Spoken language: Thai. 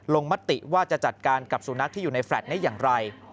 มติว่าจะจัดการกับสุนัขที่อยู่ในแฟลต์ได้อย่างไร